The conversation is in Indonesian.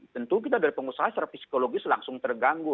tentu kita dari pengusaha secara psikologis langsung terganggu